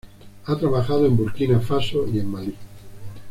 Ha trabajado en Burkina Faso y en Mali.